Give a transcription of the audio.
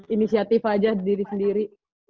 inisiatif aja diri sendiri